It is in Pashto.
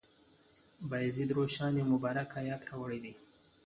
بایزید روښان یو مبارک آیت راوړی دی.